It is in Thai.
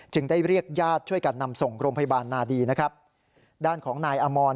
ได้เรียกญาติช่วยกันนำส่งโรงพยาบาลนาดีนะครับด้านของนายอมร